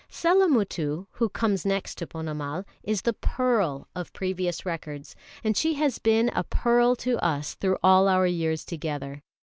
Sellamuttu, who comes next to Ponnamal, is the "Pearl" of previous records, and she has been a pearl to us through all our years together.